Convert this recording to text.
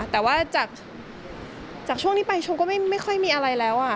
แต่ว่าจากช่วงนี้ไปชมก็ไม่ค่อยมีอะไรแล้ว